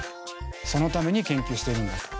そのために研究してるんだと。